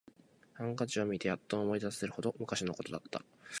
ハンカチを見てやっと思い出せるほど昔のことだった